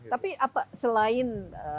tapi apa selain